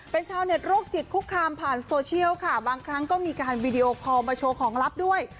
เป็นชาวเน็ตโรคจิตคุกคามผ่านโซเชียลค่ะบางครั้งก็มีการวีดีโอคอลมาโชว์ของลับด้วย